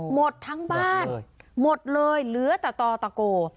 หมดทั้งบ้านหมดเลยเหลือแต่ต่อตะโก